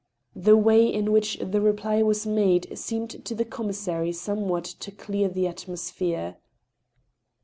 The way in which the reply was made seemed to the commis sary somewhat to clear the atmosphere.